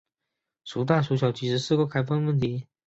孰大孰小其实是个开放问题。